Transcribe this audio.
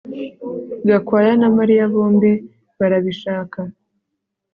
Gakwaya na Mariya bombi barabishaka